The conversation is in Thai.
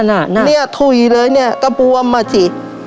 เนี่ยถุยเลยเนี่ยก็บวมมาสิ